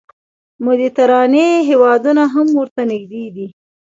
مدیترانې هېوادونه هم ورته نږدې دي.